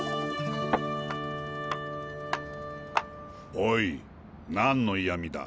おい何の嫌味だ？